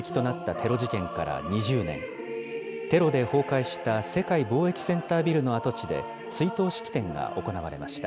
テロで崩壊した世界貿易センタービルの跡地で、追悼式典が行われました。